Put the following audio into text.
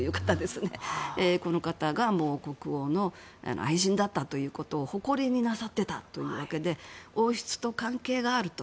この方が国王の愛人だったということを誇りになさってたというわけで王室と関係があると。